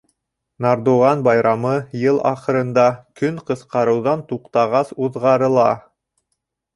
Нардуған байрамы йыл ахырында, көн ҡыҫҡарыуҙан туҡтағас уҙғарыла.